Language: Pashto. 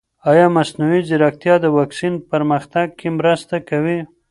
ایا مصنوعي ځیرکتیا د واکسین پرمختګ کې مرسته کوي؟